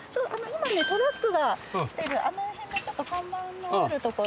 今ねトラックが来てるあの辺がちょっと看板のあるとこで。